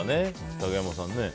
竹山さん。